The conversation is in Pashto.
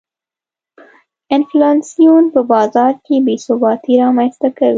انفلاسیون په بازار کې بې ثباتي رامنځته کوي.